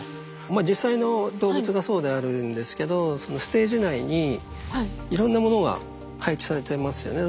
まあ実際の動物がそうであるんですけどそのステージ内にいろんなものが配置されてますよね。